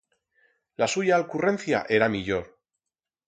La suya alcurrencia era millor.